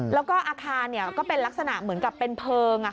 แล้วก็อาคารก็เป็นลักษณะเหมือนกับเป็นเพลิง